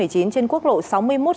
trên quốc lộ sáu mươi